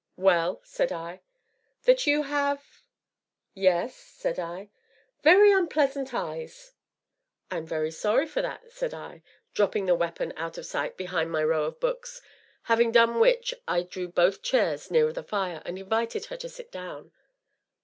"Well?" said I. " that you have " "Yes?" said I. " very unpleasant eyes!" "I am very sorry for that," said I, dropping the weapon out of sight behind my row of books, having done which, I drew both chairs nearer the fire, and invited her to sit down.